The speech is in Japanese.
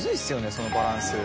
そのバランス。